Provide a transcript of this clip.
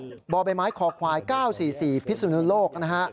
มะบ่อใบไม้คอควาย๙๔๔พิศนุโลก